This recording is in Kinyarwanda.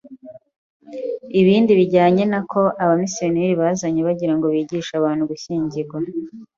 ’ibindi bijyanye nako aba missionaires bazanye bagira ngo bigishe abantu gushyingirwa